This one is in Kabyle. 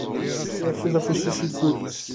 Irfed afus-is, iggull.